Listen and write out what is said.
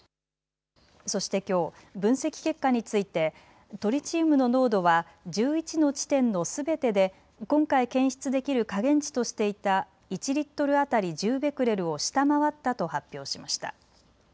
そしてきょう、分析結果についてトリチウムの濃度は１１の地点のすべてで今回検出できる下限値としていた１リットル当たり１０ベクレルを下回ったと発表しました。